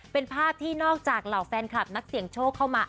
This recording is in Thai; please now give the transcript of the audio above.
เป็นภาพที่นอกจากเหล่าแฟนคลับนักเสี่ยงโชคเข้ามา